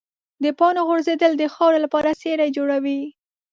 د پاڼو غورځېدل د خاورې لپاره سرې جوړوي.